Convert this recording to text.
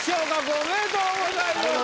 ありがとうございます。